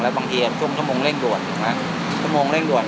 บางทีช่วงชั่วโมงเร่งด่วนถูกไหมชั่วโมงเร่งด่วน